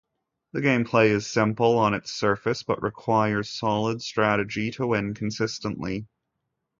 The gameplay is simple on its surface, but requires solid strategy to win consistently.